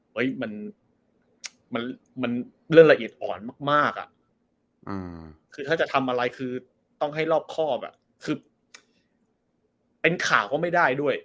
เฮ้ยมันเรื่องละเอียดอ่อนมากอ่ะคือถ้าจะทำอะไรคือต้องให้รอบครอบอ่ะคือเป็นข่าวก็ไม่ได้ด้วย